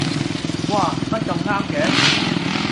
嘩，乜咁啱嘅